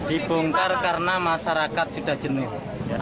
dibongkar karena masyarakat sudah jenuh